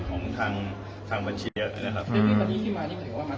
ก็รู้จักกันไม่นาน